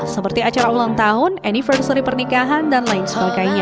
seperti acara ulang tahun anniversary pernikahan dan lain sebagainya